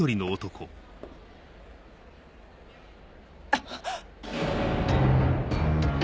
あっ！